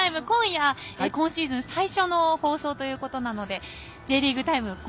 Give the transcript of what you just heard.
今夜、今シーズン最初の放送ということなので「Ｊリーグタイム」